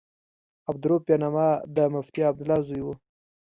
عبدالرؤف بېنوا د مفتي عبدالله زوی و.